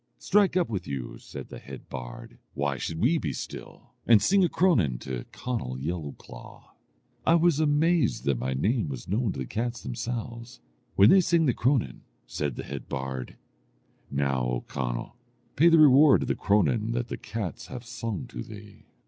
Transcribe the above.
'Strike up with you,' said the head bard, 'why should we be still? and sing a cronan to Conall Yellowclaw.' I was amazed that my name was known to the cats themselves, When they had sung the cronan, said the head bard, 'Now, O Conall, pay the reward of the cronan that the cats have sung to thee.'